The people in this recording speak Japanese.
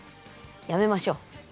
やめましょう。